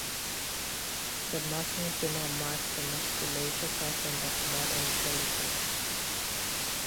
The markings do not match the musculature pattern of modern jellyfish.